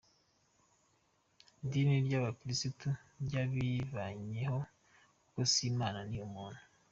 Idini ry’abakirisitu ryabivanyeho kuko si Imana, ni umuntu.